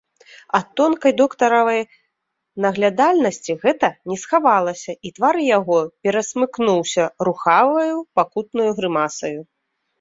Ад тонкай доктаравай наглядальнасці гэта не схавалася, і твар яго перасмыкнуўся рухаваю, пакутнаю грымасаю.